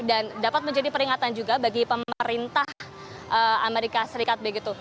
dan dapat menjadi peringatan juga bagi pemerintah amerika serikat begitu